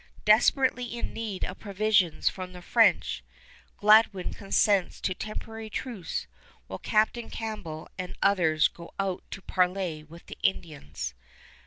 Desperately in need of provisions from the French, Gladwin consents to temporary truce while Captain Campbell and others go out to parley with the Indians.